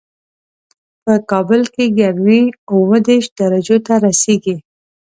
په کابل کې ګرمي اووه دېش درجو ته رسېږي